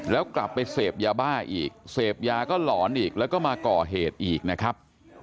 แล้วกลับไปเสพยาบ้าอีกเสพยาก็หลอนอีกแล้วก็มาก่อเหตุอีกนะครับ